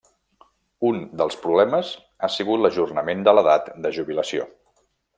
Un dels problemes ha sigut l'ajornament de l'edat de jubilació.